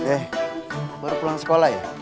eh baru pulang sekolah ya